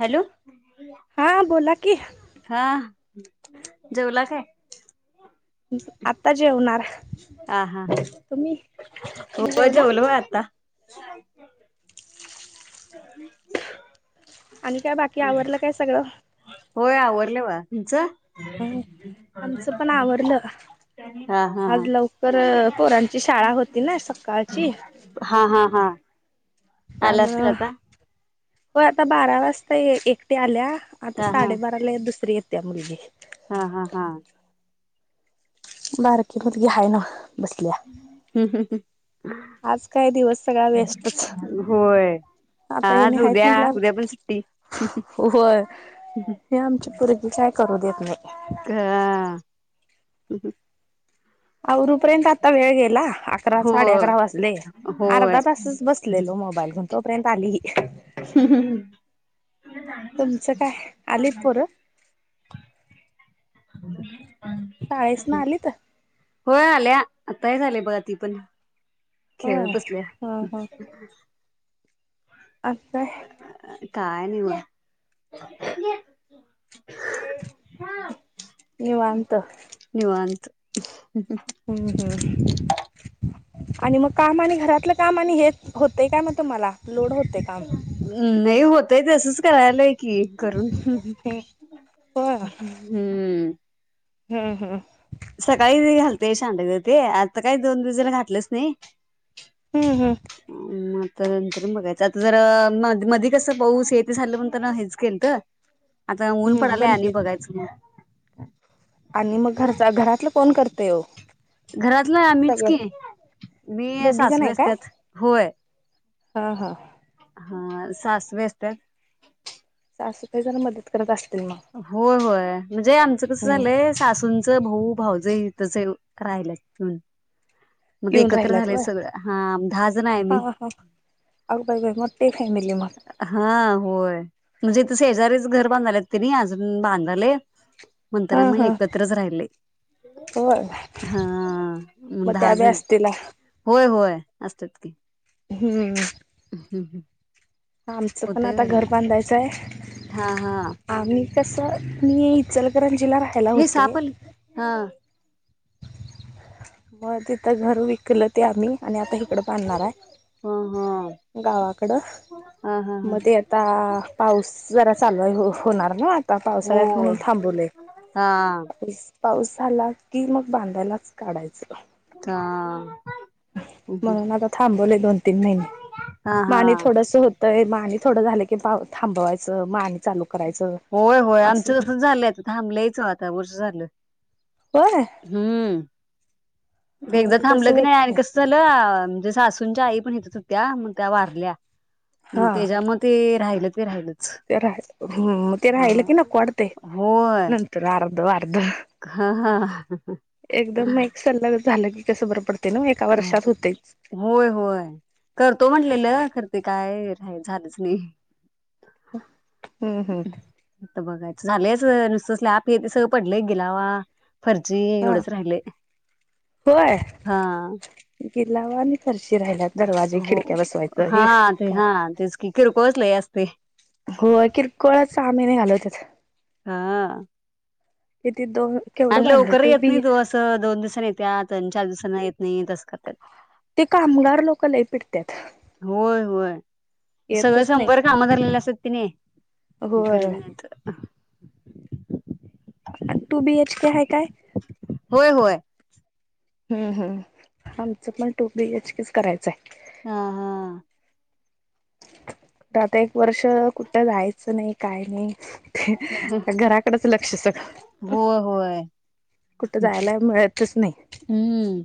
Hello हां बोला की हा जेवला काय आता जेवणार आ हा तुम्ही हा तुम्ही हो जेवला जवल म आता ह आणि काय बाकी आवरलं काय सगळं होय आवरले व तुमचं ह आमचं पण आवडलं हा हा आज हा लवकर पोरांची शाळा होती ना सकाळची हा हा हा आला त्यामुं असतील आता हो आता बारा वाजता एकटी आल्या आता हा साडेबारा ले दुसरी येत्या मुगी हा हा हा बार कि मोत घ आहेय ना बसल्या हम्म हम ह आज काय दिवस सगळा बेस्टच होय आता हे म आज आहेत उद्या म्हटल्या उद्या पण सुट्टी होय हे आमची भरगी काय करू देत नाही हं आवरपर्यंत आता वेळ गेला अकरा साडे होय अकरा वाजले होय अर्धा तासच बस दिलेलो मोबाईल घेऊन तोपर्यंत आली हम्म तुमचं काय आलीत पोरं? ह हो शाळेस ना आली तर होय आल्या आताही झाले बघा ती पण खेळत होय हा बसल्या आच्छ काय नाही म निवांत निवात ह ह हम्म हम् आणि मग काम आणि घरातलं काम आणि हेच होतेय काय मग तुम्हाला लोड होते काम नाही होतय तसंच करायलाय की करून हम्म होय हम्म हा हा सकाळी घालते शांड ते आता काही दोन दिवला घातलंच नाही हम्म हम्म म तर नंतर बघायचं आता जरा म मध कस पाऊस येत झालं म्हण हेच गेल तर आता ऊन पड हम्म आलाय बंद आणि की बघायचं म आणि मग घरचा घरातलं कोण करतेय घरातलं आम्हीच की मी दोघी जण सासवे आहे अस काय? त्यात होय हा हा हा सास व्यस्त जाश काही जरा मदत करत असतील मग हो होय म्हणजे आमचं कसं हम्म झालंय सासूंचं भाऊ भाव ज त राहिला मध्ये येऊन एकत्र राहिल्यात झालेय होय सगळं हा दहा जण आहे मी आगबाय म मो तेही फेमिली मत हा होय म्हणजे त शेजारीच घर बांधले तनी अजून बांधाले म्हणताना मग एकत्रच राहिले हो हा मग दहा त्याब जण आहे असतील ना होय होय असतत की हम्म हम् ह् आमचं पण आता घर बांधायचं आहे हा हा आम्ही कसं मी इचलकरंजीला राहते हे साप आला मग तिथं घर विकलं ते आम्ही आणि आता इकडं बांधणार आहे. ह ह गावाकडं ह ह ह मध्ये आता पाऊस जरा चालू हो होणार ना आता हो पावसाळ्यात म्हणून थांबवलय हा पाऊस झाला की मग बांधायलाच काढायचं हा म्हणून आता थांबवले दोन तीन महिने म हा आणि थोडस होत तर म आणि थोडं झालं की पाव थांबवायचं मा आणि चालू करायचं होय होय असं आमचं तसंच झालंय थांबलंयच आता वर्ष झालं. होय हम्म मग एकदा ते थांबलं तसं की नाही आणि होत कस चला म्हणजे सासूंच्या आई पण येतात होत्या मग त्या वारल्या मग हा त्याच्या म ते राहिल ते राहिलच तेरा हम्म तेरा हा हहिला की न कोडतेय होय नंतर अर्ध अर्ध हा हा एकदम एक सल्लग झालं की कसं बरं पडते ना म एका वर्षात होतेच होय होय करतो म्हटलेलं करते काय रा झालंच नाही हम्म हम्म आता बघायचं झालंयच नुसतंच स्लॅप सगळं पडलं एक गिलावा फरशी हा एवढच राहिले होय हा गिलावा आणि फरशी राहिला दरवाजे हो खिडक्या बसवायचं हा हे. ते काय हा तेच की किरकोळ च लय असतय. होय किरकोळच सहा महिने घालवत्यात हा किती दोन केवढं आणि बांधलं लवकर टू येत नाही बी तो असं दोन दिवसांनी येत्यात आणि चार दिवसांन येत नाही असं कर ते कामगार लोक लय पिडत्यात. होय होय सगळं येतच नाहीत शंभर काम झालेले असतात की नि करत होय नाहीत टू बीएच के आहे काय होय होय हम् हम् आमचं पण टू बी एच के च करायचंय हा हा आता एक वर्ष कुठं जायचं नाही काय नाही त्या घराकडच लक्ष सगळ होय होय कुठं जायला मिळतच नाही. हम्म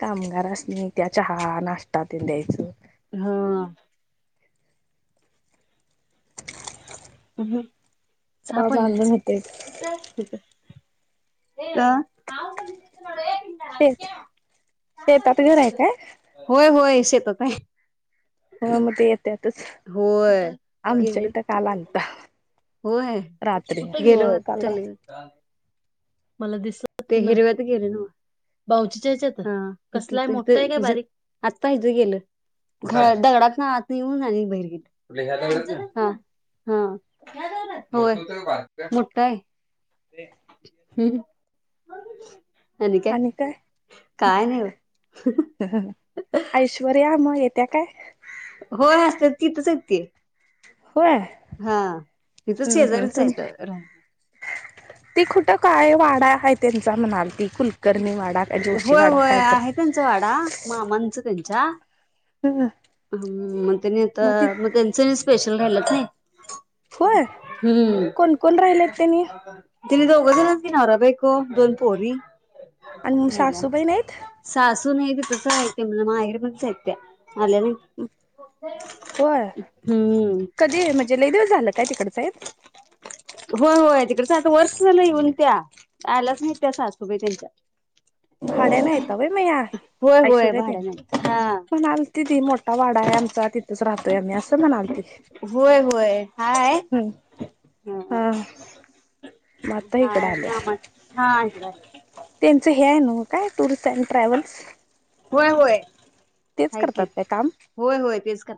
कामगारासनी त्या चहा नाश्टा तिनं द्यायचं हा तवा साप आलेलं बांधून होते शेत शेतात घर आहे काय [unintelligible] होय होय शेतात आहे हा मग ते येत्यात होय गेलं तर काल आलता रात्री कुठे गेलो होय काल रात्री हो मला दिसत ते हिरव्यात गेलय न्हवं बाऊचीच्या ह्याच्यात कसलाय मोठ का बारीक आता हिथं गेलं दगडात न आत येऊन बहिर गेला हा हो आहे मोठा आहे ते फर आणि काय नाही ऐश्वर्या मग येत्या काय हो असते तिथचते होय हा तिथं हम्म हम्म शेजारीच तुम आहे तर रा ती कुठं काय वाडा त्यांचा म्हणाल की कुलकर्णीवाडा काय होय जोशीवाडा होय काय तर आहे त्यांचा वाडा मामणचं त्यांच्या ह हम मग त्यांनी आता मग त्यांच स्पेशल राहिलंत नाही होय कोण कोण राहिले आहेत त्यांनी दिने दोघं ज त नरा बको दोन पोरी आणि राहिल्या सासूबाई नाहीत सासू आहे त तसं ित म्हण माहेड पणच ह्या आल्या नाही होय हम्म कधी म्हणजे लय दिवस झालं काय तिकडचं आहे होय होय तिकडच आता वर्ष झालं येऊन त्या आल्याचं नाहीत त्या सासूबाई त्यांच्या भाड्यानं आहेत व्हय मग ह्या होय होय ऐश्वर्यात तेन भाड्याने हा म्हणाल ति ती मोठा वाडा आहे आमचा तिथच राहतोय आम्ही असं म्हणाल ती होय होय हाय ह हा मग आता इकडं आल्या हामस् हा त्यांचं हे आहे न काय टूर्स अँड ट्रॅव्हल्स होय होय तेच आहे की करतात काय काम होय होय तेच क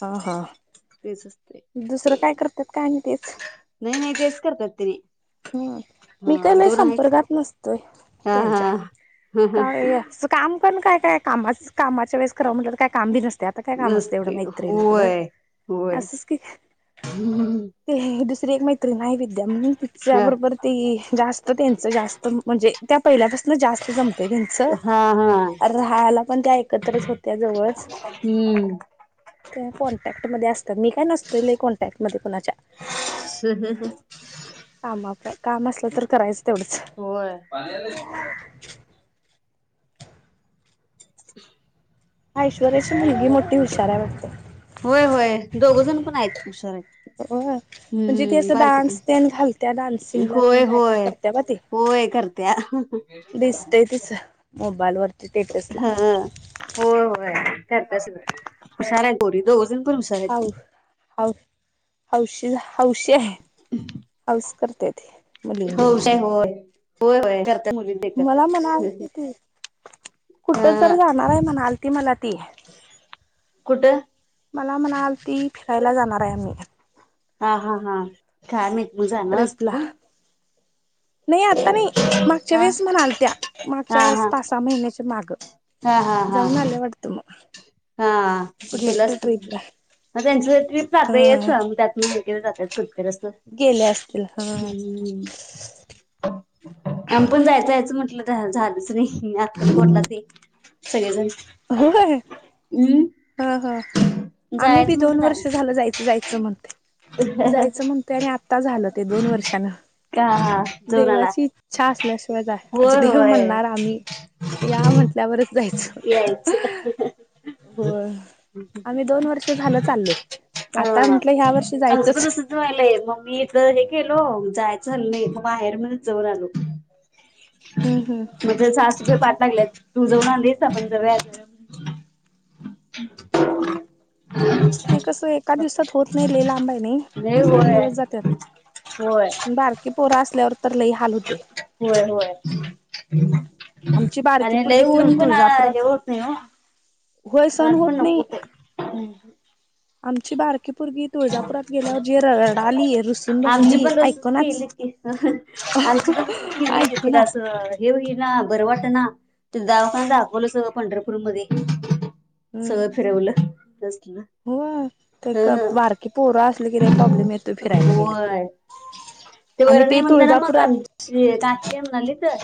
हा हा तेच असते दुसरं काय करतात का आणि तेच नेन केस करतिन हम्म मी हा काय लय दोन आहेतच संपर्कात नसतोय ह हा त्यांच्या ह ह काय काम करण काय काय कामा कामाच्या वेळेस कराव म्हटलं तर काय काम बी नस ते आता काय काम असतं नसते एवढं माैत्री नििकडं होय असंच की हम् ते दुसरी एक मैत्री नाही विद्या म्हणून ति ह त्याबरोबर ते जास्त त्यांचं जास्त म्हणजे त्या पहिल्यापासून जास्त जमते त्यांचं हा हा राहायला पण त्या एकत्रच होत्या जवळ हम्म त्या कॉन्टॅक्टमध्येध्ये असतात मी काय नसतो ल कॉन्टॅक्टमध्ये कोुणाच्या ह ह काम आपलं काम असलं तर करायचं तेवढंच हो आहे पा ह ऐश्वर्याची मुलगी मोठी हुशारा वाटते होय होय दोघजण पण आहेतच खुशारा होय म्हणजे ती हम् असं बारकी प डान्स तेन घालत्या डान्सिंगला तेन होय काय काय होय करत्या बा ती होय करत्या मोबाईलवररती हा हो होय करताच ब हुशार आहे गोरी दोज ह हौशी हौशी आहे पाऊस करतेेत मुलींची होर हो ये हो ये मला म्हणाल ती कुठ जर जाणार आहे म्हणाल ती मला ती कुठ मला म्हणालती फिरायला जाणार आहे म्हणे हा हा हा काय मी पण जाण असल नई आता नई मागच्या हा वेळेस म्हणाल आलत्या हा मागच्या वेळेस हा पासा सहा महिन्याच्या माग हा हा हा जाऊन आल्या वाटत मग हा कुठे गेलं कुठे असत ट्रीपला मग त्यांच तात येच हा मग त्यात मग तिथ जात्यात फिर फिर आस्ती गेल्या असतील हा हा हम् [inaudible] आम्ही पण जायचं जायचं म्हटलं त झालंच नाही आता म्हटला ते सगळेजण हो ये ह ह ह आम्ही बी दोन वर्ष झालंच नाही झालं, जायच जायचं म्हणतेय, जायचं म्हणतेय आणि आता झालं ते दोन वर्षान. का जाऊन आला देवाची इच्छा असल्याशिवाय जा, होय देव होय म्हणणार आम्ही या म्हंटल्यावरच जायचं. [unintelligible] होय. आम्ही दोन वर्ष झालं चालोय, आता म्हंटलं ह्या वर्षी जायचंच. फीरालंय मग मी हे केलो, जायचं हाय म बाहेर म्हण जऊन आलो. हम्म हम्म. ज सहाास रुपये पाात लागले तू जऊन आणस आपण ज [unintelligible] [inaudible] ते कसं एका दिवसात होत नाही, लई लांबे नाही लय दोन होय दिवस जातात. होय बारकीे पोरा असल्यावर तर, लई हाल होते. होय होय, आमची बारकी आणि पोरगी तुळ लईऊन पण आ हे तुळजापुरात होत नाही हो. होय सण मला पण होत नाही नको ते, हम्म. आमची बारकी पोरगी तुळजापुरात गेल्यावर, जे रडाली रुसून बसली ऐकनाच. आणि तिथस केली ऐकून. तिला असं [unintelligible] हे होईना ना बरं वाट ना, ते दावाखान दाखवलं स पंढरपूर मध्ये. हम्म सगळं फिरवलं, कसल होय, ते क बारके पोरं असले की, लई प्रॉब्लेम येतो, फिरायला गेल की. होय ते आणि बर नाही म्हणता ना मग, तुळजापुरात आमची तात्या म्हणाली त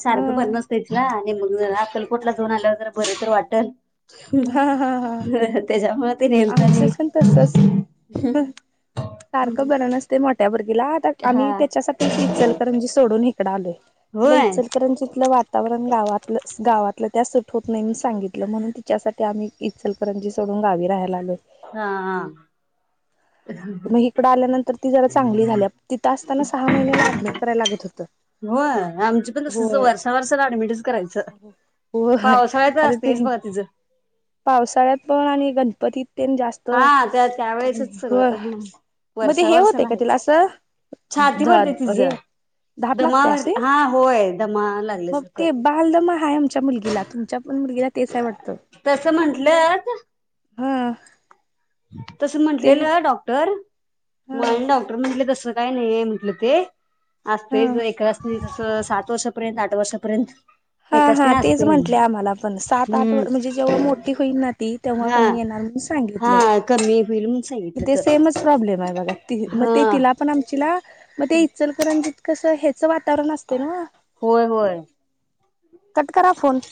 सारखं अ बर नसत. तेचना आणि मग अ आकलकोटला जाऊन आल्यावर जर बर तर वाटल. हो हा हा हा हो त्याच्यामुळच, आमचं पण तसच, सारखं बरं नसतेये मोठ्या पुरगीला, तर हा आम्ही त्याच्यासाठीच ईचाल खर म्हजी सोडून इकडं आलोय, तिला होय इचलकरंजीतल वातावरण, गावात तिला गावातलं त्या, सुट होत नाही म्हणून सांगितलं, म्हणून तिच्यासाठी आम्ही इचलकरंजी सोडून गावी राहला हा हा. मह इकडं आल्यानंतर ती जरा चांगली झालीया, तिथं असताना सहा महिन्याला ऍडमिट करायला लागत होतं. होय, आमची पण तसच, होय वर्षा वर्षला ऍडमिटच करायचं. होय पावसाळ्यात आता असतेच ते बा तिच. पावसाळ्यात पण, आणि गणपतीत तेन जास्त हा त्या त्या त्यावेेळेसच हो सगळं, मग ते वर्षा हे वर्षा होतय का तिला आहेच, असं छाती ध भरते तिच, हे धाप दमा लागते होयल, असे हा. हा होय दमा आलात. मग ते बालदम हाये आमच्या मुलगीला, तुमच्या पण मुलगीला तेच आहे वाटतं. तसं म्हंटलं हा तसं ते म्हटलेलं डॉक्टर, हा मुलानी डॉक्टर म्हटले तसं काय नाहीय म्हंटलं ते. असते हा एकासनी जसं सात वर्षापर्यंत, आठ वर्षापर्यंत, हा हा एकासनी तेच असतंय म्हटले आम्हाला पण, सात आठ हम्म वर म्हणजे जेव्हा मोठी होईल ना ती तेव्हा हा कमी येणार, म्हणून सांगेल. हा कमी होईल म्हणून सांगितलं ते तर सेमच प्रॉब्लेम आहे बघा, ती हा ते तिला. पण आमचीला मग ते इचलकरंजत कसं, हेच वातावरण असते ना. होय होय. कट करा फोन.